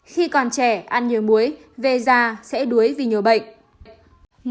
khi còn trẻ ăn nhiều muối về già sẽ đuối vì nhiều bệnh